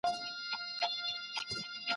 احمد خپلي کارخانې ته په پوره هیله تللی و.